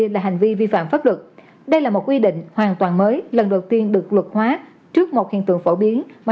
là bởi vì cái chỗ này nó khô cái kia nó ướt và bị ẩm